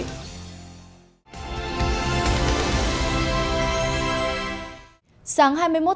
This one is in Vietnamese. thành ủy hải phòng